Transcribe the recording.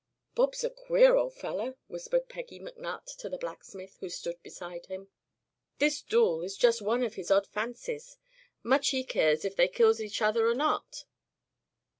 "Bob's a queer ol' feller," whispered Peggy McNutt to the blacksmith, who stood beside him. "This dool is just one o' his odd fancies. Much he keers ef they kills each other er not!"